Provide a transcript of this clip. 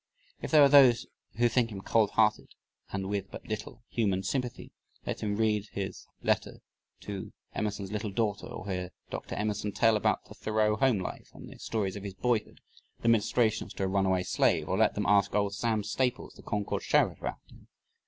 If there are those who think him cold hearted and with but little human sympathy, let them read his letters to Emerson's little daughter, or hear Dr. Emerson tell about the Thoreau home life and the stories of his boyhood the ministrations to a runaway slave; or let them ask old Sam Staples, the Concord sheriff about him.